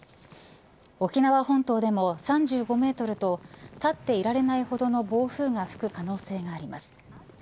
沖縄本島でも３５メートルと立っていられないほどの暴風が吹く可能性があります。